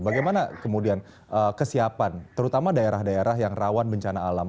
bagaimana kemudian kesiapan terutama daerah daerah yang rawan bencana alam